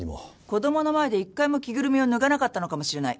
子供の前で一回も着ぐるみを脱がなかったのかもしれない。